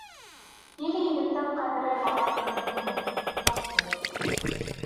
Ир-егеттең ҡәҙерен ағай-эне белмәҫ, ят белер.